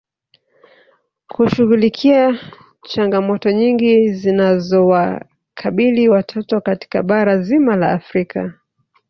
Kushughulikia changamoto nyingi zinazowakabili watoto katika bara zima la Afrika